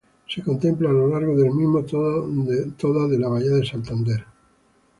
Se contempla a lo largo del mismo toda de la bahía de Santander.